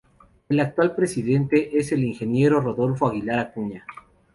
El actual presidente es el Ing. Rodolfo Aguilar Acuña.